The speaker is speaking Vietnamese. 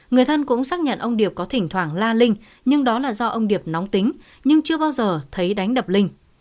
người thân cũng xác nhận ông điệp có thỉnh thoảng la linh nhưng đó là do ông điệp nóng tính nhưng chưa bao giờ thấy đánh đập linh